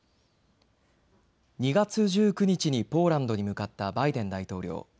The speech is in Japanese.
２月１９日にポーランドに向かったバイデン大統領。